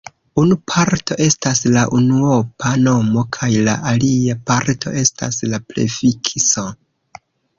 Unu parto estas la unuopa nomo kaj la alia parto estas la prefikso.